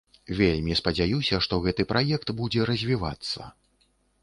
Вельмі спадзяюся, што гэты праект будзе развівацца.